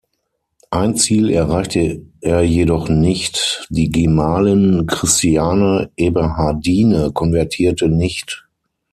Ein Ziel erreichte er jedoch nicht: Die Gemahlin Christiane Eberhardine konvertierte nicht.